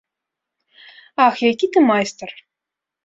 Ах, які ты майстар.